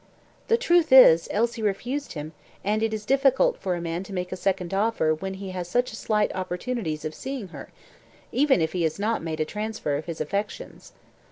"The truth is, Elsie refused him, and it is difficult for a man to make a second offer when he has such slight opportunities of seeing her, even if he has not made a transfer of his affections."